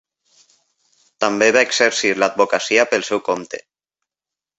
També va exercir l'advocacia pel seu compte.